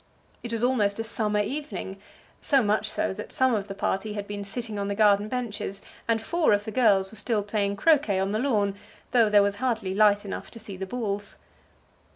It was almost a summer evening; so much so, that some of the party had been sitting on the garden benches, and four of the girls were still playing croquet on the lawn, though there was hardly light enough to see the balls.